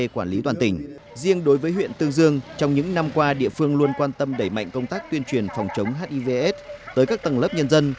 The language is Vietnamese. quản lý toàn tỉnh riêng đối với huyện tương dương trong những năm qua địa phương luôn quan tâm đẩy mạnh công tác tuyên truyền phòng chống hivs tới các tầng lớp nhân dân